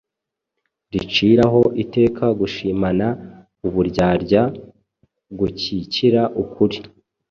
Riciraho iteka gushimana uburyarya, gukikira ukuri,